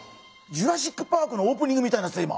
「ジュラシック・パーク」のオープニングみたいになってたよ